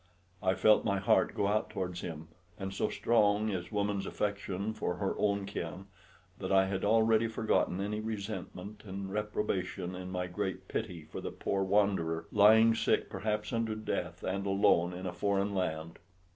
I felt my heart go out towards him; and so strong is woman's affection for her own kin, that I had already forgotten any resentment and reprobation in my great pity for the poor wanderer, lying sick perhaps unto death and alone in a foreign land.